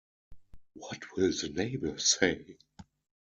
What Will the Neighbours Say?